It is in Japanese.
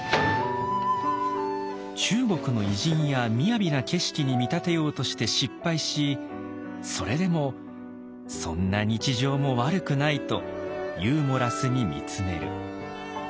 中国の偉人や雅な景色に見立てようとして失敗しそれでもそんな日常も悪くないとユーモラスに見つめる。